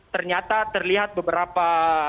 ternyata terlihat beberapa